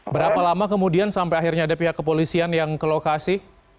berapa lama kemudian sampai akhirnya ada pihak kepolisian yang ke lokasi